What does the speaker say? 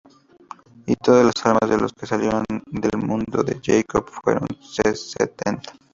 Y todas las almas de los que salieron del muslo de Jacob, fueron setenta.